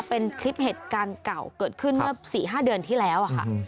เป็นคลิปเหตุการณ์เก่าเกิดขึ้นเมื่อ๔๕เดือนที่แล้วค่ะ